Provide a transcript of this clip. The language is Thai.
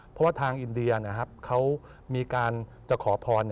เพราะว่าทางอินเดียเขามีการจะขอพร